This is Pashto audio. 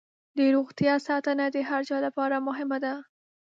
د روغتیا ساتنه د هر چا لپاره مهمه ده.